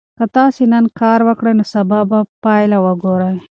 که تاسي نن کار وکړئ نو سبا به پایله وګورئ.